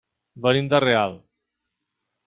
Venim de Real.